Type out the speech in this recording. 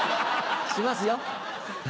しますよ！